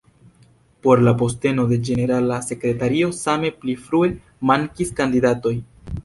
Por la posteno de ĝenerala sekretario same pli frue mankis kandidatoj.